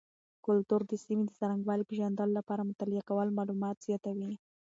کلتور د سیمې د څرنګوالي پیژندلو لپاره مطالعه کول معلومات زیاتوي.